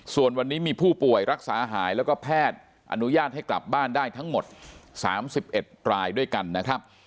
ส่วนวันนี้มีผู้ป่วยรักษาหายแล้วก็แพทย์อนุญาตให้กลับบ้านได้ทั้งหมด๓๑รายด้วยกันนะครับ